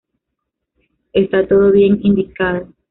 Está todo bien indicado.